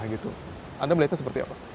anda melihatnya seperti apa